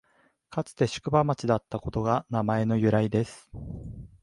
かつて宿場町だったことが名前の由来です